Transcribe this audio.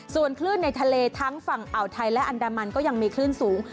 ส่วนคลื่นในทะเลทั้งฝั่งอ่าวไทยและอันดามันก็ยังมีคลื่นสูง